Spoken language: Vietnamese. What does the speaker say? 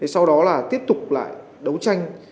sau đó là tiếp tục lại đấu tranh